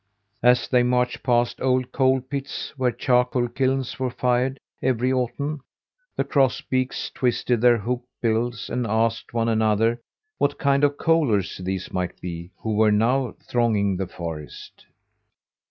As they marched past old coal pits where charcoal kilns were fired every autumn, the cross beaks twisted their hooked bills, and asked one another what kind of coalers these might be who were now thronging the forest.